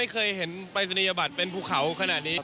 เคยเห็นปรายศนียบัตรเป็นภูเขาขนาดนี้